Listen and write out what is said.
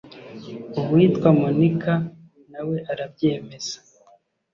uwitwa monica na we arabyemeza.